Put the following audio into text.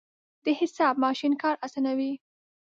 د حساب ماشین کار اسانوي.